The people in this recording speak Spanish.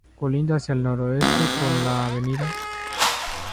Colinda hacia el noroeste con la Av.